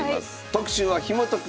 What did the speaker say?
特集は「ひも解く！